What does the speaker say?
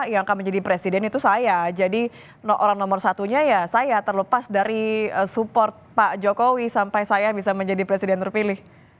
yang akan menjadi presiden itu saya jadi orang nomor satunya ya saya terlepas dari support pak jokowi sampai saya bisa menjadi presiden terpilih